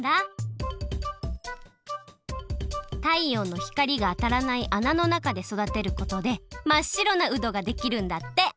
太陽の光があたらないあなの中でそだてることでまっしろなうどができるんだって。